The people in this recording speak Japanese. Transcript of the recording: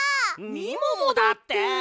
みももだって！